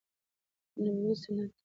نبوي سنت دي.